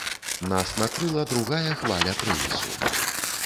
Нас накрыла другая хваля крызісу.